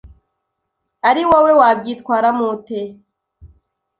ari wowe wabyitwaramo ute